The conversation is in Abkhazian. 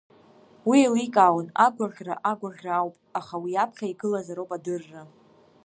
Уи еиликаауан, агәаӷьра агәаӷьра ауп, аха уи аԥхьа игылазароуп адырра.